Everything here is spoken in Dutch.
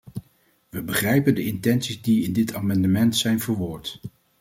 We begrijpen de intenties die in dit amendement zijn verwoord.